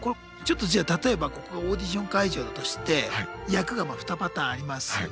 じゃあ例えばここがオーディション会場だとして役が２パターンあります。